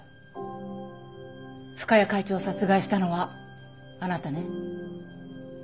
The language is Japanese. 深谷会長を殺害したのはあなたね？